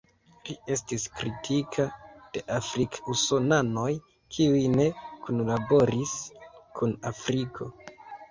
Li estis kritika de afrik-usonanoj kiuj ne kunlaboris kun Afriko.